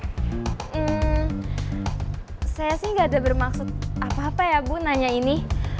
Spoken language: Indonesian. hmm saya sih gak ada bermaksud apa apa ya bu nanya ini